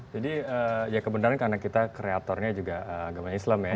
jadi ya kebenaran karena kita kreatornya juga agama islam ya